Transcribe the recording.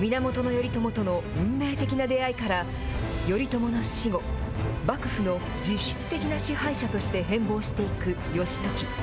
源頼朝との運命的な出会いから、頼朝の死後、幕府の実質的な支配者として変貌していく義時。